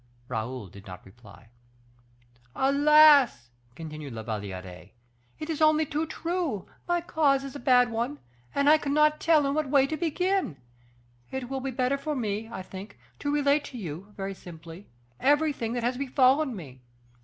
Raoul did not reply. "Alas!" continued La Valliere, "it is only too true, my cause is a bad one, and I cannot tell in what way to begin. It will be better for me, I think, to relate to you, very simply, everything that has befallen me.